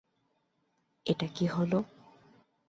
এটা কী হলো?